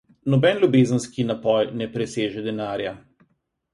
Noben ljubezenski napoj ne preseže denarja.